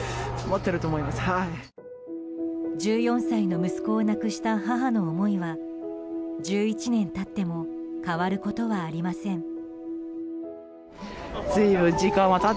１４歳の息子を亡くした母の思いは１１年経っても変わることはありません。